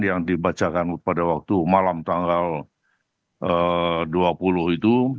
yang dibacakan pada waktu malam tanggal dua puluh itu